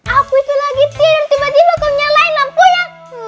aku itu lagi tidur tiba tiba kau nyalain lampunya